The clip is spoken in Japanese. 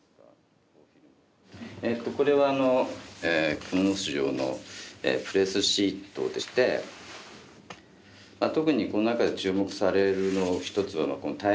えとこれはあの「蜘蛛巣城」のプレスシートでして特にこの中で注目される一つはこの「ＴＩＭＥＭａｇａｚｉｎｅ」ですね。